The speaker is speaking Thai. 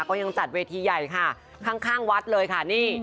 ก็ยังจัดเวทีใหญ่ค่ะข้างวัดเลยค่ะนี่